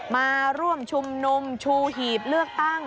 มาร่วมชุมนุมชูหีบเลือกตั้ง